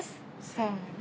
せの。